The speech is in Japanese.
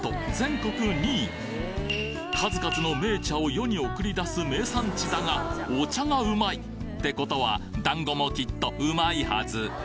数々の銘茶を世に送り出す名産地だがお茶がウマい！ってことは団子もきっとウマいはず